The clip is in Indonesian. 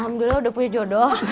alhamdulillah udah punya jodoh